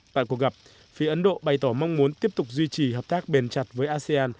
tại cuộc gặp phía ấn độ bày tỏ mong muốn tiếp tục duy trì hợp tác bền chặt với asean